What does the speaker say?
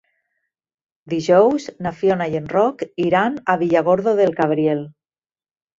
Dijous na Fiona i en Roc iran a Villargordo del Cabriel.